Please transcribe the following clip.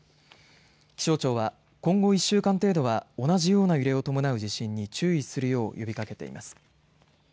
気象庁は今後１週間程度は同じような揺れを伴う地震に注意するよう呼びかけています。